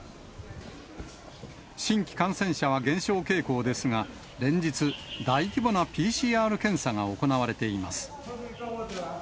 新規感染者は減少傾向ですが、連日、大規模なＰＣＲ検査が行われています。